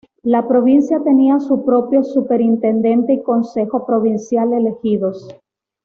La provincia tenía su propio superintendente y consejo provincial elegidos.